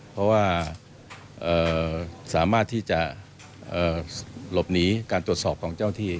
เพราะว่าสามารถที่จะหลบหนีการตรวจสอบของเจ้าที่